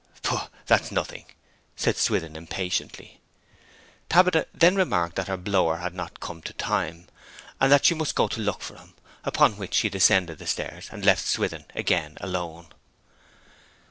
'Pooh, that's nothing,' said Swithin impatiently. Tabitha then remarked that her blower had not come to time, and that she must go to look for him; upon which she descended the stairs, and left Swithin again alone.